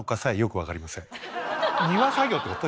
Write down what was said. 正直庭作業ってこと？